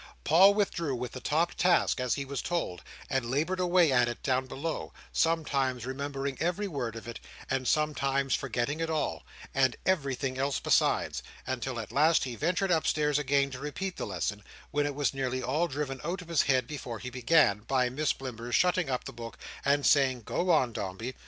Paul withdrew with the top task, as he was told, and laboured away at it, down below: sometimes remembering every word of it, and sometimes forgetting it all, and everything else besides: until at last he ventured upstairs again to repeat the lesson, when it was nearly all driven out of his head before he began, by Miss Blimber's shutting up the book, and saying, "Go on, Dombey!"